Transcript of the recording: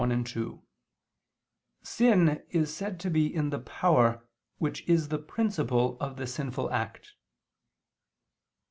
1, 2), sin is said to be in the power which is the principle of the sinful act.